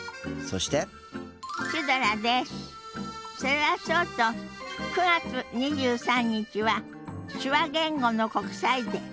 それはそうと９月２３日は手話言語の国際デー。